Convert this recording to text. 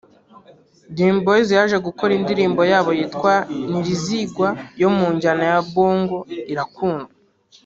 Dream Boyz yaje gukora indirimbo yabo yitwa “Nirizigwa” yo mu njyana ya bongo irakundwa